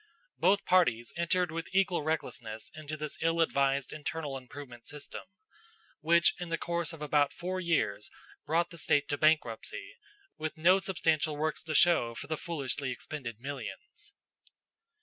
Both parties entered with equal recklessness into this ill advised internal improvement system, which in the course of about four years brought the State to bankruptcy, with no substantial works to show for the foolishly expended millions.